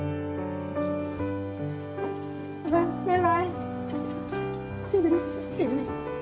バイバイ。